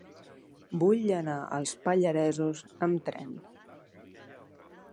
Vull anar als Pallaresos amb tren.